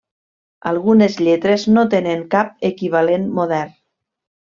Algunes lletres no tenen cap equivalent modern.